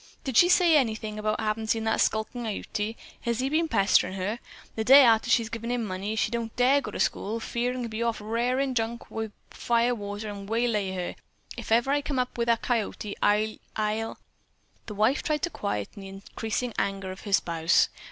"Did she say anything about havin' seen that skulkin' Ute? Has he been pesterin' her? The day arter she's given him money, she don' dare go to school, fearin' he'll be rarin' drunk wi' fire water an' waylay her. If ever I come up wi' that coyote, I'll I'll " The wife tried to quiet the increasing anger of her spouse.